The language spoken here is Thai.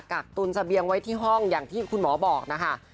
กักตุนเสบียงไว้ที่ห้องอย่างที่คุณหมอบอกนะคะ